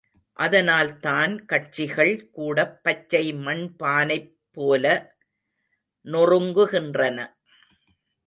அதனால்தான் கட்சிகள் கூடப் பச்சை மண்பானைப் போல நொறுங்குகின்றன.